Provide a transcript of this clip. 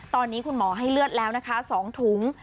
ตอนนี้คุณหมอให้เลือดแล้วนะคะ๒ถุง